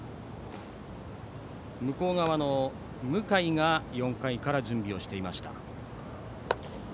向井が４回から準備をしていました。